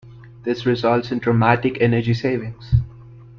This results in dramatic energy savings.